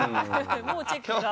「もうチェックか？」